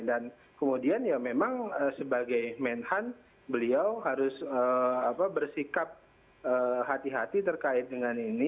dan kemudian ya memang sebagai menhan beliau harus bersikap hati hati terkait dengan ini